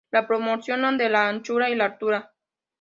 La proporción de la anchura y la altura.